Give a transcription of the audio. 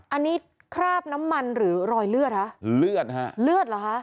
อันนี้คราบน้ำมันหรือรอยเลือดฮะเลือดฮะ